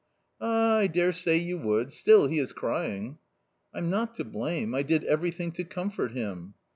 " Ah, I dare say you would, still he is crying." " I'm not to blame; I did everything to comfort him."